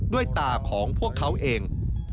ด้วยตาของพวกเขาเอง